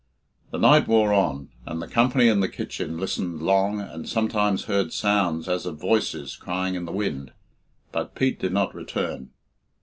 The night wore on, and the company in the kitchen listened long, and sometimes heard sounds as of voices crying in the wind, but Pete did not return.